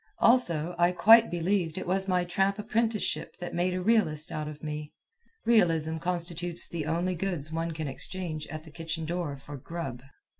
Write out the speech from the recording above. Also, I quite believe it was my tramp apprenticeship that made a realist out of me. Realism constitutes the only goods one can exchange at the kitchen door for grub.